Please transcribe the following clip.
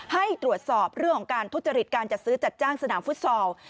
ให้ตรวจสอบเรื่องของการทุจริตการจัดซื้อจัดจ้างสนามฟุตซอล